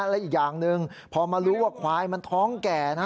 และอีกอย่างหนึ่งพอมารู้ว่าควายมันท้องแก่นะ